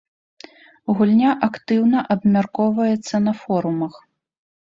Гульня актыўна абмяркоўваецца на форумах.